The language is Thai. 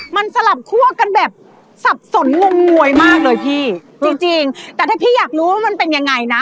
มันสลับคั่วกันแบบสับสนงงงวยมากเลยพี่จริงจริงแต่ถ้าพี่อยากรู้ว่ามันเป็นยังไงนะ